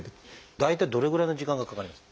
大体どれぐらいの時間がかかりますか？